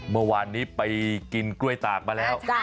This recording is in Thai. เมื่อวานนี้ไปกินกล้วยตากมาแล้ว